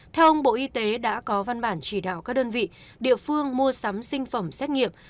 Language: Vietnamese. theo ông bộ y tế đã có văn bản chỉ đạo các đơn vị địa phương mua sắm sinh phẩm xét nghiệm